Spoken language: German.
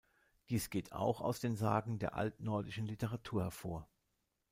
Dies geht auch aus den Sagen der altnordischen Literatur hervor.